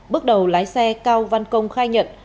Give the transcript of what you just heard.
bước đầu lái xe cao văn công khai nhận